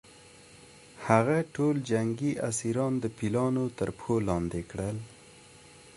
هغه ټول جنګي اسیران د پیلانو تر پښو لاندې کړل.